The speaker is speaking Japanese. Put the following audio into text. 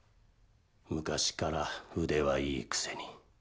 昔から腕はいいくせに。